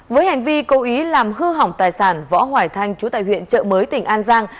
với hành vi cố ý làm hư hỏng tài sản võ hoài thanh chú tại huyện trợ mới tỉnh an giang